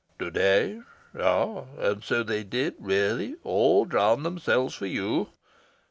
"To day?... Ah, and so they did really all drown themselves for you?...